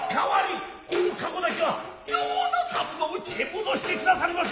この駕籠だけはどうぞ三婦のうちへ戻してくださりませ。